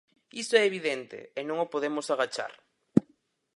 Iso é evidente e non o podemos agachar.